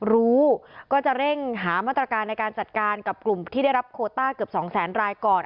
รู้ก็จะเร่งหามาตรการในการจัดการกับกลุ่มที่ได้รับโคต้าเกือบ๒แสนรายก่อน